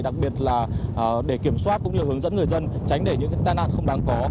đặc biệt là để kiểm soát cũng như hướng dẫn người dân tránh để những tai nạn không đáng có